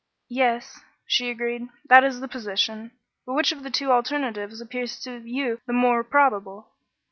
"Yes," she agreed, "that is the position; but which of the two alternatives appears to you the more probable?"